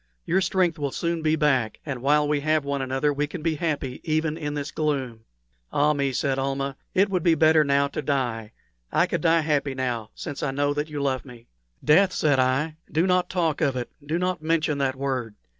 Your strength will soon be back, and while we have one another we can be happy even in this gloom." "Ah me," said Almah, "it would be better now to die. I could die happy now, since I know that you love me." "Death!" said I; "do not talk of it do not mention that word.